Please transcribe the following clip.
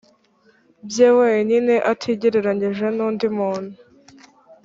bwe wenyine atigereranyije n undi muntu